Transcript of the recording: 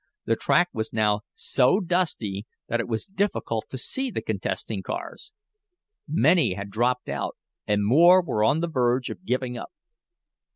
The track was now so dusty that it was difficult to see the contesting cars. Many had dropped out, and more were on the verge of giving up.